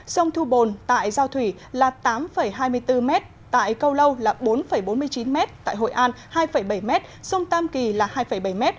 sông thu bồn tại giao thủy là tám hai mươi bốn m tại câu lâu là bốn bốn mươi chín m tại hội an hai bảy m sông tam kỳ là hai bảy m